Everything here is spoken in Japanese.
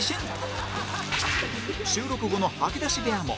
収録後の吐き出し部屋も